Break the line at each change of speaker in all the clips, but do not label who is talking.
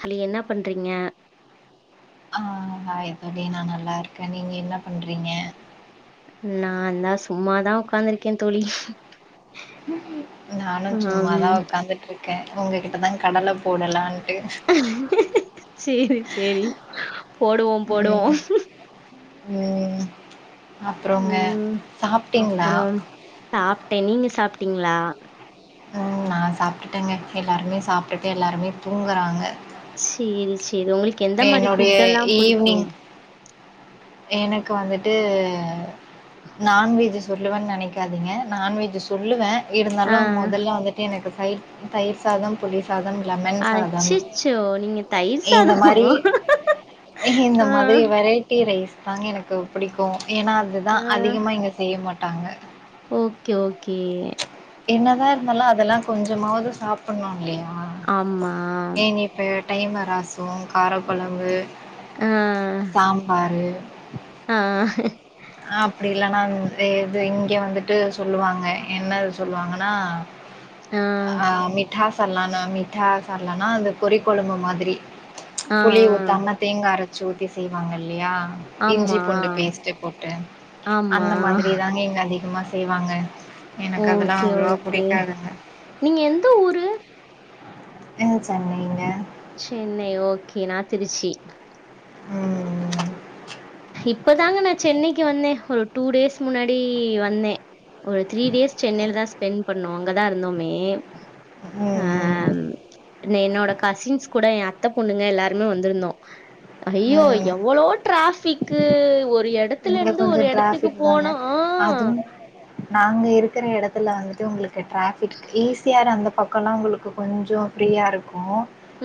Allow என்ன பண்றீங்க
ஆ ஆய் தோழி நா நல்லா இருக்க நீங்க என்ன பண்றீங்க
நாந்தா சும்மாதா உக்காந்துருக்க தோழி
நானு
ஆம்
சும்மாதா உக்காந்துட்ருக் க உங்ககிட்டதா கடல போடலான்‌ ட்டு
சேரி சேரி போடுவோ போடுவோ
ம் ம் அப்புறோங்க
ம்
சாப்டீங்ளா
ட நீங்க சாப்டீங்களா
ம் நா சாப்புட்டுட்டங்க எல்லாருமே சாப்டுட்டு எல்லாருமே தூங்கறாங்க
சேரி சே சேரி உங்களுக்கு எந்த மாரி
என்னுடைய
ஃபுட் எல்லாம்
ஈவ்னிங்
புடிக்கும்
எனக்கு வந்துட்டு நான்வெஜு சொல்லுவனு நெனைக்காதீங்க நான்வெஜு சொல்லுவ
ஆ
இருந்தாலு மொதல்ல வந்துட்டு எனக்கு தயிர் தயிர் சாதோ புளி சாதம் லெமன் சாதம்
அச்சச்சோ நீங்க தயிர்
இந்த
சாதமா
மாரி இந்த
ஆ
மாரி வெரைட்டி ரைஸ் தாங்க எனக்கு புடிக்கு ஏன்னா அதுதா
ஆ
அதிகமா இங்க செய்ய மாட் ட்டாங்க
ஓகே ஓகே
என்னதா இருந்தாலு அதல்லா கொஞ்சமாவது சாப்பண்ணு இல்லிங்
ஆமாம்
டைம ரசோ காரகொழம்பு
ஆ
சாம்பாரு
ஆ
அப்டின் இல்லன்னா இது இங்க வந்துட்டு சொல்லுவாங்க என்ன சொல்லுவாங்கன்னா
ஆ
அ மிட்டாஸ் சால்னான்னா மிட்டா சால்னான்னா அந்த கொறி கொழ்பு மாதிரி
ஆ
புளி ஊத்தாம தேங்கா அர ச்சு ஊத்தி செய்வாங்க இல் லியா இஞ்சி
ஆமா
பூண்டு பேஸ்ட்டு போட்டு
ஆமா
அந்த மாதிரி தாங்க எங்க அந்த இ அதிகமா செய்வாங்க ஏன்னா
ஓகே ஓகே நீங்க எந்த ஊரு
ஆ சென்னைங்க
சென்னை ஓகே நா திருச்சி
ஓ
இப்பதாங்க நா சென்னைக்கு வந்த ஒரு டூ டேஸ் முன்னாடி வந்தே ஒரு த்ரீ டேஸ் சென்னைலதா ஸ்பென் பண்ணுவாங் அங்கதா இருந்தோமே
ம்
ஆ
ம்
நே என்னோட கசின்ஸ் கூட எ அத்த பொண்ணுங்க எல்லாருமே வந்துருந்தோ அ‌ய்யோ
ம் ம்
எவ்வளோ டிராஃபிக் க்கு ஒரு எடத்துல
இங்க
இருந்து ஒரு
கொஞ்சோ
எடத்துக்கு
டிராஃபிக்
போனோ ஆ
ங்க இருக்குற எடத்துல வந்துட்டு உங்களுக்கு ட்ராஃபிக் ஈசியாரு அந்த பக்கோல்லா உங்களுக்கு கொஞ்சோ ஃப்ரீயா இருக்கு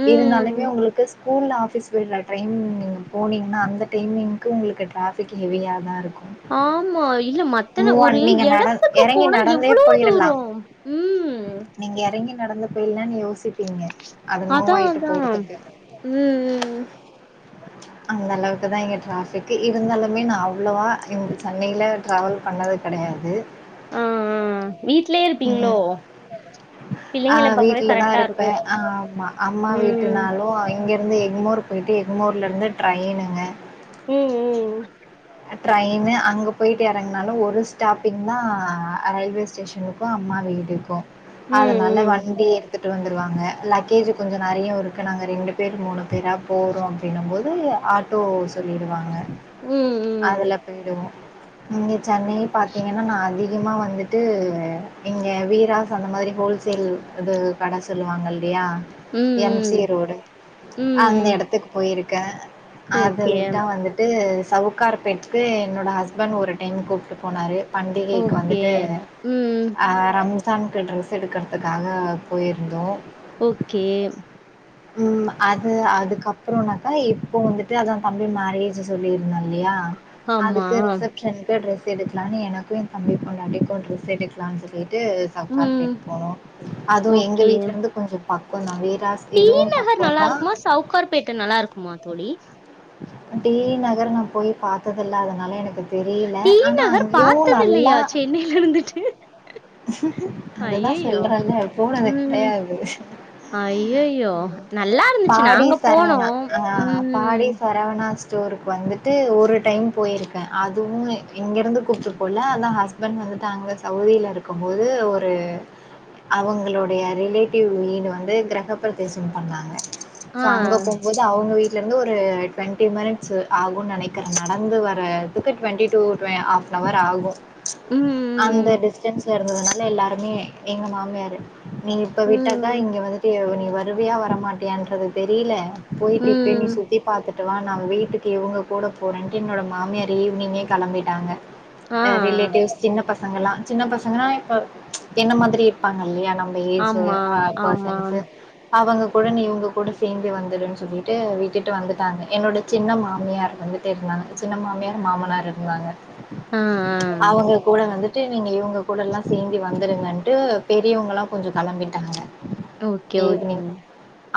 ம்.
இருந்தாலுமே உங்களுக்கு ஸ்கூல்லா ஆபீஸ் விடுற டைமா டைம் நீங்க போனீங்கன்னா அந்த டைமிங்க்கு உங்களுக்கு ட்ராஃபிக் ஹெவியாதா இருக்
ஆமா இல்ல மத்தன ஒரே
நீங்க நட
எடத்துக்கு
எறங்கி
போனா
நடந்தே
எவ்வளோ
போயிடலா
தூரோ ம்
இப்பேல்லாநீ யோசிப்பீங்க அது மூவ்
அதா
ஆயிட்டு
அதா
போறதுக்கு
உ உ உ
அந்த அளவுக்குதா இங்க டிராஃபிக்கு இருந்தாலுமே நா அவ்வளவா இங்க சென்னைல ட்ராவல் பண்ணது கெடையாது
ஆ ஆ ஆ வீட்லே இருப்பீங்ளோ
ம் ஆ
பிள்ளைங்கள பாக்கவே
வீட்டுலதா
கரெக்டா
இருப்பே
இருக்கு
ஆ ஆமா அம்மா
ம்
வீட்டுனாலு இங்கருந் ந்து எக்மோர் போய்ட்டு எக்மோர்ல இருந்து ட்ரெய்னுங்க
உ உ உ
ட்ரெயினு அங்க போயி்ட்டு எறங்குனாலு ஒரு ஸ்டாப்பிங் தா ரயில்வே ஸ்டேஷனுக்கு அம்மா வீடுக்கு அதனால
ம்
வண்டிய த்துட்டு வந்துருவாங்க லக்கேஜ் கொஞ்சோ நிறையா இருக்கு நாங்க ரெண்டு பேர் மூணு பேரா போறோனா அப்டீனும்போது ஆட்டோ சொல்லிருவாங்க
உ உ
இங்க சென்னை பாத்தீங்கன்னா நா அதிகமா வந்துட்டு இங்க வீராஸ் அந்த மாத்ரி ஹோல்சேல் இது கட சொல்லுவாங்கள் ளயா எம் சி
ம்
ரோடு அந்த
ம்
எடத்துக்கு போயிரு க்க அத
ஓகே
விட்டா வந்துட்டு சவ் சவ்கார் பேட்டுக்கு என்னோட ஹஸ்பண்ட் ஒரு டைம் கூப்ட்டு போனாரு பண்டிகைக்கு
ஓகே
வந்துட்டு
ம்
ஆ ரம் ஸானுக்கு ட்ரெஸ் எடுக்கறதுக்காக போயிருந்தோ
ஓகே
உ அது அதுக்கப்றோனாக்க இப்போ வந்துட்டு அதா தம்பி மேரேஜ் சொல்லிருந்தேன் ல்லியா
ஆமா
அதுக்கு ரிசப்ஷனுக்கு ட்ரெஸ் ஸ் எடுக்லானு எனக்கு எ தம்பிபொண்டாடிக்கு டிரெஸ் எடுக்கலானு சொல்லிட்டு டு
ம்
செளகார்பேட் போனோ அதூ எங்க வீட்லருந்து கொஞ்சோ பக்கோந்தா வீ
டீ நகர் நல்லா இருக்குமா சவுகார்பேட்ட நல்லா இருக்குமா தோழி
டி நகர் நா போய் பாத்ததில்ல அதனால எனக்கு தெரியல.
டீ
ஆனா
நகர்
அங்கேயும் நல்லா
பாத்ததில்லயா சென்னைல இருந்துட்டு
அதுதான்
ஐய்யய்யோ
சொல்றேன்ல
உ
போனது கிடையாது.
ஐய்யய்யோ நல்லா இருந்துச்சு
பாடி
நாங்க போனோ
சரவணா ஆ
உ
பாடி சரவணா ஸ்டோருக்கு வந்துட்டு ஒரு டைம் போயிருக்கே அதுவு இங்கேர்ந்து கூப்ட்டு போல ஆனா ஹஸ்பண் வந்துட்டு அங்க சவுதில இருக்கும்போது ஒரு அவங்ளுடைய ரிலேடிவ் வீடு வந்து கிரக பிரவேசம் பண்ணாங்க சோ அங்க
ஆ
போம்போது அவுங்க வீட் லந்து ஒரு ட்வெண்டி மனிட்ஸ்ஸு ஆகுனு நெனைகிற நடந்து வர துக்கு டுவெண்டிடூ ஆப்னவர் ஆகு அந்த
ம்,
டிஸ்டன்ஸ்ல உங்கனால எல்லாருமே எங்க மாமியாரு நீ இப்ப விட்டாக்கா
ம்,
இங்க வந்துட்டு ஏவு நீ வருவியா வரமாட்டியான்றது தெரியில போயிட்டு இப்பயே நீ
ம்.
சுத்தி பாத்துட் ட்டு வா நாங் வீட்டுக்கு இவங்க கூட போறன்டு என்னோட மாமியாரு ஈவ்னிங்கே கெளம்பிட்டாங்க
ஆ,
ரிலேட்டிவ்ஸ் சின்ன பஸ் பசங்ளா சின்ன பசங்கனா இப்ப என்ன மாதிரி இருப்பாங்க இல்லியா நோ அந்த ஏசு
ஆமா,
அ
ஆமா.
போசன்ஸ்சு அவங்கக் ஒடனே இவுங்க கூட சேந்து வந்துருன் சொல்லிட்டு விட்டுட்டு வந்துட்டாங்க என்னோட சின்ன மாமியார் வந்துட்டே இருந்தாங்க சின்ன மாமியார் மாமனாரு வந்தாங்க
ஆ, ஆ.
அவங்க கூட வந்து ட்டு நீங்க இவங்க கூட எல்லா சேந்து வந்துருங்கன்ட்டு பெரியவங்கல்லா கொஞ்சோ கெளம்பிட்டாங்கங்க
ஓகே ஓகேங்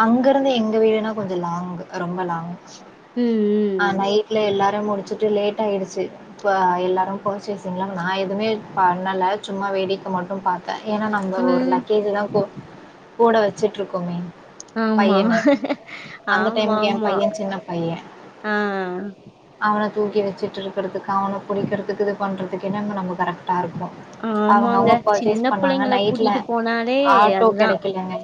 அங்க இருந்து எங்க வீடுனா கொஞ்ச லாங் ரொம்ப லாங்
ம் ம்
எல்லா முழுச்சுட்டு லேட் ஆயிடுச்சு எல்லாரும் போர்ச்சேசிங்ளா நா எதுமே பண்ணல சும்மா வேடிக்க மட்டும் பாத் த ஏனா நம்ப
ம்.
ஒரு
ம்.
லக்கேஜுதா கொ கூட வெச்சுட்ருக்கோமே
ஆமா
அந்த டைமுக்கு எ
ஆமாமா
பைய சின்ன
ஆ
அவன தூக்கி வெச்சுட்டு இருக்குறதுக்கு அவன புடிக்கினுறதுக்கு இது பண்ணுறதுக்கு என்ன இங்க நம்ம கரெக் க்டா இருக்கு அவங்க
ஆமாங்க.
அவங்க
சின்ன
பர்ச்சேஸ் பண்ணாங்க
புள்ளைங்கள
நைட்ல
கூட்டிட்டு போனாலே
ஆட்டோ
அதுதான்.
கெடைக்கல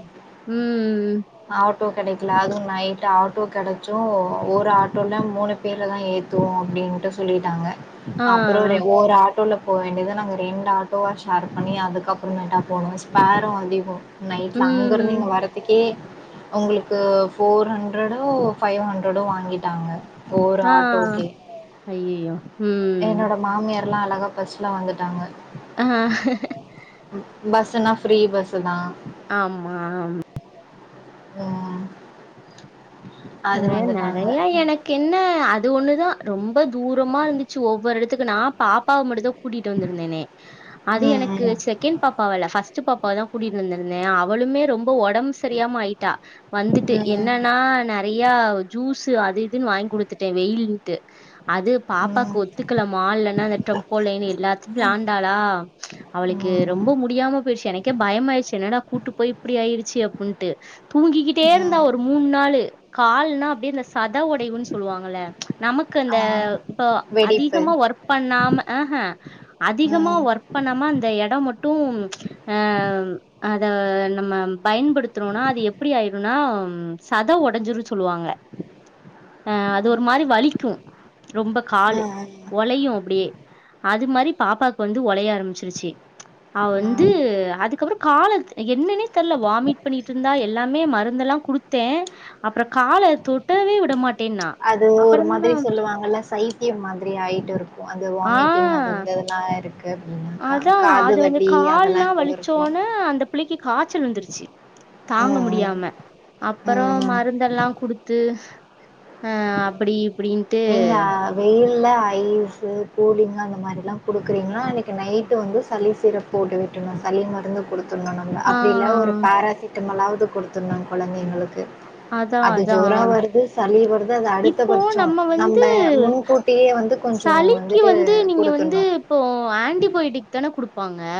ம்.
ஆட்டோ கெடைகாகல அதுவு நைட்டு ஆட் போ கெடச்சோ ஒரு ஆட்டோலம் மூணு பேர்லதா ஏத்துவோம் அப்டின்ட்டு சொல்லிட்டாங்க
ஆ.
அப்பறோ ரெ ஒரு ஆட் ஆட்டோல போக வேண்டியது நாங்க ரெண்டு ஆட்டோவா ஷேர்ப் பண்ணி அதுக்கப்பற மேட்டா போணுஸ் பேரோ அதிகோ நைட்ல அங்க இருந்து இங்க
ம்.
வறதுக்கே உங்குளுக்கு போர் ஹண்ரடோ ஃபைவ் ஹண் ரடோ வாங்கிட்டாங்க ஒரு
ஆ
ஆட்டோக்கே.
அய்யய்யோ உ
இதுலா அழகாக பஸ்ல வந்துட்டாங்க
ஆ
பஸ்ஸுனா ஃப்ரீ பஸ்ஸு தா
ஆமா ஆமா
ஆ
அ நெறையா எனக்கு என்ன அது ஒண்ணுதா ரொம்ப தூரமா இருந்துச்சு ஒவ்வொரு எடத்துக்கு நா பாப்பாவ மட்டுந்தா கூட்டிட்டு வந்துருந்தேனே அது
ம்,
எனக்கு
ம்.
செகண்ட் பாப்பாவல்ல ஃபஸ்ட்டு பாப் பாவதா கூட்டிட் வந்திருந்தே அவளுமே ரொம்ப ஒடம்பு சரியாம ஆய்ட்டா வந்துட்டு
ம்.
என்னனா நே யா ஜூசு அது இதுனு வாங்கி குடுத்துட்டே வெயிலுன்டு அது பாப்பாக்கு
ம்.
ஒத்துக்கல மாள்லனா அந்த ட்ரெம்போ லைன் எல்லாத்லயு விளாண்டாளா அவளுக்கு
ம்.
ரொம்ப முடியாம போய்டுச்சு எனக்கே பயமாய்ருச்சு என்னடா கூட்டுபோய் இப்டி ஆயிடுச்சே அப் உண்ட்டு தூங்கிக்கிட்டே இருந்தா ஒரு
ம்.
மூணு நாள்ளு கால்னா அப்டியே இந்த சாத் ஒடைவுனு சொல்லுவாங்கள ச் நமக்கு அந்த
ஆ.
இப்ப
வெடிப்பு.
அதிகமா ஒர்க் பண்ணாம அஹே அதிகமா
ம்.
ஒர்க் பண்ணாம அந்த எடோ மட்டு ஆ இத நம்ம பயன்படுத்துரோனா அது எப்டி ஆய்ருனா சத ஒடஞ்சுரு சொல்வாங்க அ அது ஒரு மாரி வலிக்கு ரொம்ப காலு
ம், ம்.
ஒளையு அப்டியே அது மாரி பாப்பாக்கு வந்து ஒலைய ஆரம்ச்சிருச்சு அவ வந்து
ம்.
அதுக்கப்றோ கால எட்து என்னனே தெர்ல வாமிட் பண்ணிட்டு இருந்தா எல்லாமே மருந் ந்தெல்லா குடுத்தே அப்றோ கால தொடவே விடமாட்
அது ஒரு மாதிரி சொல்லுவாங்கல்ல சைத்தியோ மாதிரி ஆயிட்டு இருக்கும் அந்த
ஆ
வாமிட்டிங் அந்ததெல்லா இருக்கு அப்டின்னாக்கா.
அதா
காது
அது வந்து
வலி
கால்லா
அதெல்லாம் கூட இருக்கும்.
வழிச்சோன அந்த புள்ளைக்கு காச் சல் வந்துருச்சு தாங்க
ம்,
முடியாம அப்பறோ
ம். ம்.
மருந்தெல்லா குடுத்து ஆ அப்பிடி
நீங்க வெயில் ல்ல ஐஸு கூலிங்க் அந்த மாரில்லா குடுக்குறீங்னா அன்னைக்கு நைட்டு வந்து சளி சிரப் போட்டு விட்ரனு சளி மருந்து குடுத் துர்னு நம்ம
ஆ
அப்டி இல்ல ஒரு பேராசிட்டமாலாது இது குடுத்துர்னு கொழந்தைங்களுக்கு
அதா
அது
அதா
ஜொற வருது சளி வருது அது அடுத்த
இப்போ
பட்சொ
நம்ம வந்து சளிக்கு
வந்துட்டு
வந்து நீங்க வந்து
குடுத்துடணும்.
இப்போ ஆன்டிபயோட்டிக் தானெ குடுப்பாங் க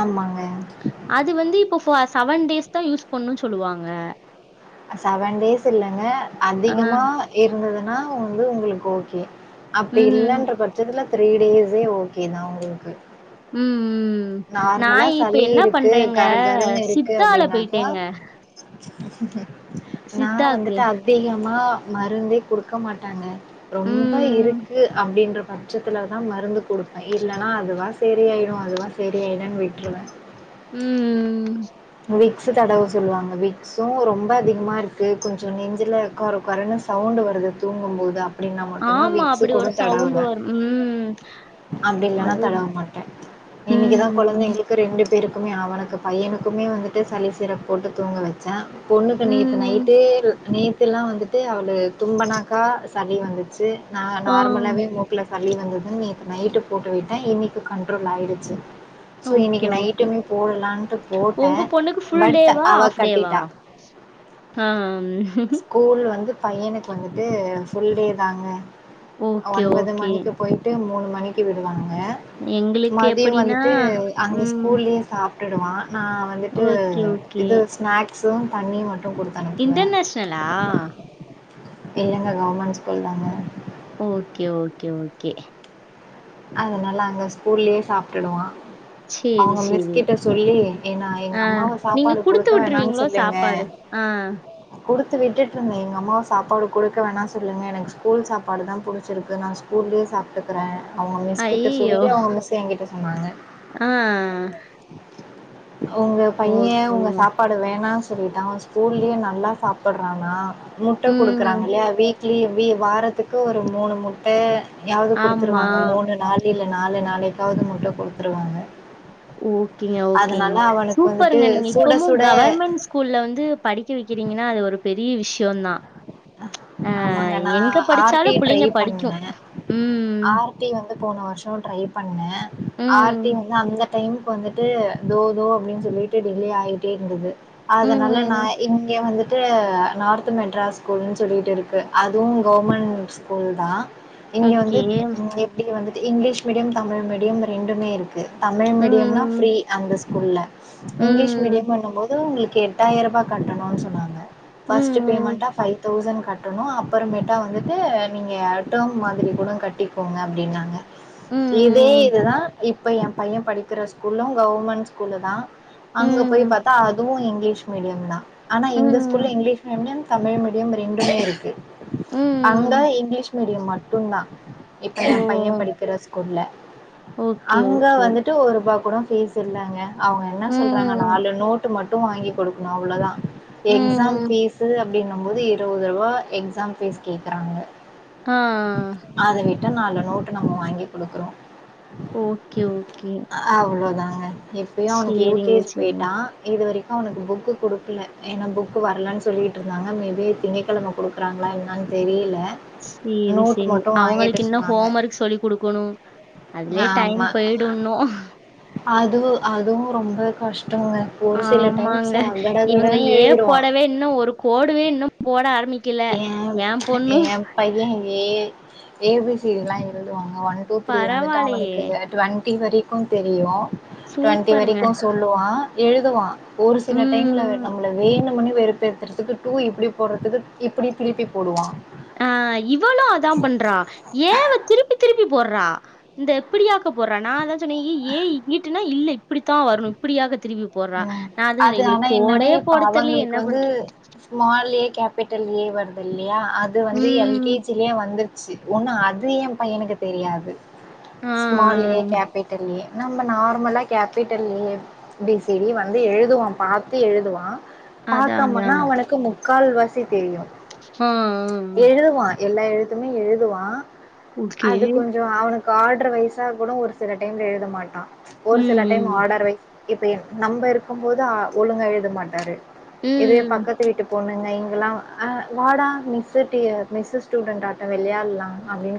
ஆமாங்க
அது வந்து இப்ப ஃபாஸ் செவன் டேஸ் தா யூஸ் பண்ணு சொல்லுவாங்க
செவன் டேஸ் இல்லங்க
ஆ.
அதிகமா இருந்தது னா வந்து உங்களுக் ஓகே அப்டி
ம்.
இல்லன்ற பட்சத்துல த்ரீ டேஸே ஓகே தா உங்ளுக்கு
ம் ம் நா இப்ப
சளி
என்ன
இருக்கு
பண்றேங்க
கரகரன்னு
சித்தால போயிட்டேங்க
ச நா
சித்தாக்கு.
வந்துட்டு அதிகமா மருந்தே குடுக்க மாட்டாங்க ரொம்ப
ம்.
இருக்கு அப்டின்ற பட்சத்துல தா மருந்து குடுப்பெ இல்லனா அதுவா செரியாயிரு அதுவா செரியாயிடுன் விட்ருவே
ம் ம் ம்
விக்ஸு தடவ சொல்லுவாங்க விக்ஸு ரொம்ப அதிகமா இருக்கு கொஞ்சொ நெஞ்சுல கொர கொரன்னு சவுண்டு வருது தூங்கும்போது அ ப்டின்னா மட்டுந்தா
ஆமா.
விக்ஸு
அப்படி
கூட
ஒரு சவுண்ட்
தடவுவ
வரும். ம்.
அப்டி இல்லன்னா
அது
தடவ மாட்டெ இன்னக்கிதா
ம்.
கொழந்தைங்களுக்கு ரெண்டு பேருக்குமே அவனுக்கு பையனு க்குமே வந்துட்டு சளி சிரப் போட்டு தூங்க வச்ச பொண்ணுக்கு நேத்து
ம்.
நைட்டே நே த்துல்லா வந்துட்டு அவளு தும்பனாக்கா சளி வந்துச்சு ந
ஆ.
நார்மலாவே மூக்குல சளி வந்த துன்‌ நேத்து நைட்டு போட்டு விட்டெ இன்னைக்கு கண்ட்ரோல் ஆயிடுச்சு சோ
ஓகே,
இன்னைக்கு
ஓகே.
நைட்டுமே போடலான்ட்டு போட்
உங்க பொண்ணுக்கு ஃபுல் டேவா ஆஃப் டேவா ஆ
ஸ்கூல் வந்து பையனுக்கு வந்துட்டு ஃபுல் டே தாங்க
ஓகே,
ஒன்பது
ஓகே.
மணிக்கு போயிட்டு மூணு மணிக்கு விடுவாங் க‌
எங்களுக்கு
மதிய
எப்படின்னா
வந்துட்டு அங்க
ம்
ஸ்கூல்லயே சாப் ட்டுடுவா நா வந்துட்டு
ஓகே ஓகே
இது ஸ்நேக் ஸும் தண்ணி மட்
இன்டர்நேஷ்னலா
இல்லங்க கவர்மெண்ட் ஸ்கூல் தாங்க
ஓகே ஓகே ஓகே
அதனால அங்க ஸ்கூல்லயே சாப்டுடுவா
சரி,
அவங்க
சரி.
மிஸ்கிட்ட சொல்லி ஏன்னா எங்க
ஆ
அம்மாவ
நீங்க
சாப்பாடு
குடுத்து
குடுக்க வேணான்
விட்டுருவீங்களோ
சொல்லுங்க
சாப்பாடு? ஆ.
குடுத்து விட்டுட்ருந்த எங்க அம்மாவு சாப்பாடு குடுக்க வேணான் சொல்லுங்கள் எனக்கு ஸ்கூல் சாப்பாடுதா புடுச்சுருக்கு நா ஸ்கூல்லியே சாப்புட்டுக்குற அவங்க மிஸ் கிட்ட சொல்லி
அய்யய்யோ!
அவங்க மிஸ் எங்கிட்ட சொன்னாங்க
ஆ
உங்க பைய உங்க
ஓகேங்க.
சாப்பாட வேணாஸ் சொல்லிட்டா அவ ஸ்கூல்லியே நல்லா சாப்பறானா முட்ட குடுக்குறாங்க
ம்.
இல்லையா வீ கீ வீ வாரத்துக்கு ஒரு மூணு முட்ட யாவது
ஆமா.
குடுத்துருவாங்க மூணு நாளில நாலு நாளைக்காவது முட்ட குடுத்துருவாங்க
ஓகேங்க ஓகேங்
அதனால அவனுக்கு வந்துட்டு
சூப்பருங்க நீங்க
சுட
இப்பமு
சுட
கவர்மெண்ட் ஸ்கூல்ல வந்து படிக்க வெக் க்கிறீங்கன்னா அது ஒரு பெரிய விஷ்யோந்தா அ
ஆமாங்க நான்
எங்க
ஆர்
படிச்சாலு
டி ட்ரை
புள்ளைங்க படிக்கு
பண்ணேன்
ம்
ஆர் டி வந்து போன வருஷோ ட்ரை பண்ண
ம்.
ஆர்டிங் தா அந்த டைமுக்கு வந்துட்டு தோ தோ அப்டின் சொல்லிட்டு டிலே ஆயிட்டே இருந்தது அதனால நா
ம்.
இங்கே வந்துட் இது நார்த்து மெட்ராஸ் ஸ்கூல்ன்னு சொல்லிகிட்டு இருக்கு அதுவு கவர்மெண்ட் ஸ்கூல்தா இங்க வந்து
ஓகே.
இங் எப்டி வந்து இங்லீஷ் மீடியம் தமிழ் மீடியம் ரெண்டுமே இருக் கு தமிழ் மீடியம்னா ஃப்ரீ
ம்,
அந்தஸ் குள்ள இங்லீஷ்
ம்,
மீடியண்ணும் போது உங்களுக் எட்டாயிரூபா கட்டணுன் சொன்னாங்க
ம்,
ஃபஸ்ட்டு
ம்,
பேமெண்டா ஃபைவ் தௌசண் கட்டணு அபுறமேட்டா வந்துட்டு நீங்க டோம் மாதிரி கூட கட்டிகோங்க அப்டினாங்க இதே இதுதா இப் இப்ப எ பைய படிக்கிற ஸ்கூலு கவர்மெண்ட் ஸ்கூலு தா அங்க போய்
ம்,
பாத்தா அதுவு இங் லீஷ் மீடியோந்தா ஆனா இந்த ஸ்கூல்ல
ம்,
English medium Tamil medium ரெண்டுமே இருக்கு அங்க
ம்.
இங்லீஷ் மீ யம் மட்டுந்தா இப்ப
ஓ!
எ பையே படிக்கிற ஸ்கூல்ல
ஓகே,
அங்க
ஓகே.
வந்துட்டு ஒருபா கூட ஃபீஸ் இல்லங்க அவங்க என்ன சொல்றாங்க
ம்,
நாலு நோட்டு மட் டூ மட்டு வாங்கி குடுகணு அவ்ளதா எக்ஸாம்
ம்.
ஃபீசு அப் போது இருவது ரூபா எக்ஸாம் ஃபீஸ் கேக்றாங்க
ஆ ஆ ஆ
டா நாலு நோட்டு நம்ம வாங்கி குடுக்குறோ
ஓகே ஓகே
அவ்ளோதாங்க. இப்பயு அவனுக்கு யூ கே
சரிங்க,
ஜி
சரிங்க.
போய்ட்டா இதுவரை அவனுக்கு புக்கு குடுகல ஏனா புக்கு வரலனு சொல்லிட்ருதாங்க இல்ல மேபி திங்கக்கெழம குடுக்குறாங்களா என்னானு தெரில
செரி செரி அவங்களுக்கு இன்னு
சொன்னாங்க.
ஹோம் ஒர்க் சொல்லி்குடுக்கணு அதுலே டைம் போய்டு இன்னு
அதுவ் அதுவு ரொம்ப கஷ்
ஆமாங்க இவங்க
கடகடன்னு
ஏ
எழுதிருவான்
போடவே இன்னு ஒரு கோடுவே இன்னு ட ஆரமி
ஏ ஏ பையே ஏ ஏ பி சி டிலா எழுதுவா ஒன் டூ த்ரீ வந்துட்டு
பரவாயில்லையே!
அவனுக்கு டுவெண் டீ வரைக்கு தெரியு டுவெண்டி
சூப்பருங்க.
வரைக்கு சொல்லுவா எழுதுவா ஒரு சில டைம்ல அவே
ம்.
நம்ள வேணு முணே வெறுப்பேத்துறதுக்கு டூ இப்டி போட்றதுக்கு இப்பிடி திருப்பி போடுவா
ஆ இவளு அதா பண்றா ஏவ திருப்பி திருப் பி போர்றா இந்த இப்பிடியாக்க போர்றா நா அதா சொன்னே எ ஏ இங்கிட்டுனா இல்ல இப்பிடிதா வர்னு இப்பிடியாக திருப்பி போர்றா
ம்
நா அத
அது
சொன்னே இவளு
ஆனா என்னன்னா
கோடே
இப்ப
போட தெர்லயே
அவங்களுக்கு
என்ன பண்ற
பிட்டல் ஏ வருதுல் லயா அது வந்து எல்
ம்
கே ஜி லயே வந்துரு ச்சு உன்னு அது எ பையனுக்கு தெரியாது
ஆ ஆ
ஸ்மால் ஏ கேப்பிட்டல் ஏ நம்ம நார்மலா capital A B C D வந்து எழுதுவா பாத்து எழுதுவா
அதா அதா
பாக்கமனா அவனுக்கு மு க்கால் வாசி தெரியு
ஆ ஆ ஆ
எழுதுவான் எல்லா எழுத்துமே எழுதுவா
ஓகே
அது கொஞ்சொ அவனுக் காட்ர வைஸா கூட ஒரு சில டைம்ல எழுத மாட்டா ஒரு சில
ம்
டைம்
ம்
ஆடர் வைஸ் இப்பயா நம்ப இருக்கம்போது அ ஒழுங்கா எழுத மாட்டாரு இதுவே
ம்
பக்கத்து வீட்டு பொண்ணு அங்க இங்கல்லா அ வாடா மிஸ்ஸு டி மிஸ்ஸு ஸ்டூடென்ட் ஆட்ட வெள்யால்லா அப்டின்